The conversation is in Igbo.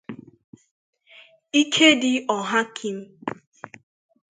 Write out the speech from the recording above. Ikedi Ohakim